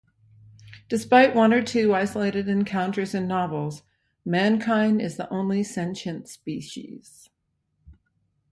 Despite one or two isolated encounters in novels, mankind is the only sentient species.